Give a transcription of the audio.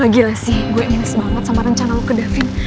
lagi lah sih gue minus banget sama rencana lo ke daving